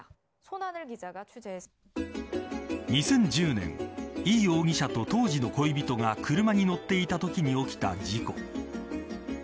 ２０１０年、イ容疑者と当時の恋人が車に乗っていたときに起きた事故。